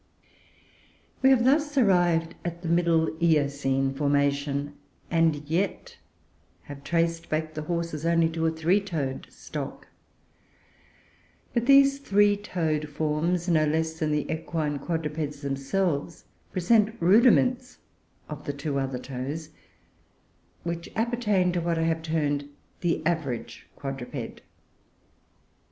We have thus arrived at the Middle Eocene formation, and yet have traced back the Horses only to a three toed stock; but these three toed forms, no less than the Equine quadrupeds themselves, present rudiments of the two other toes which appertain to what I have termed the "average" quadruped.